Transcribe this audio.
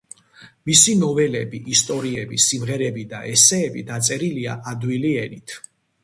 მისი ნოველები, ისტორიები, სიმღერები და ესეები დაწერილია ადვილი ენით.